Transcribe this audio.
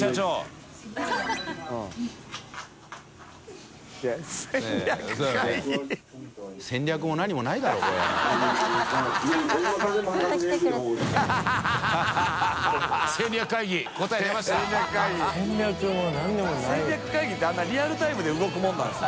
森田）戦略会議ってあんなリアルタイムで動くもんなんです？